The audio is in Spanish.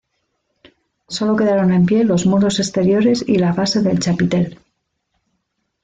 Solo quedaron en pie los muros exteriores y la base del chapitel.